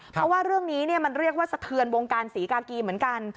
เพราะว่าเรื่องนี้มันเรียกว่าสะเทือนวงการศรีกากีเหมือนกัน